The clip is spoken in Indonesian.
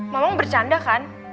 mamang bercanda kan